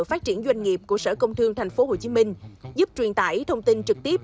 phát triển doanh nghiệp của sở công thương tp hcm giúp truyền tải thông tin trực tiếp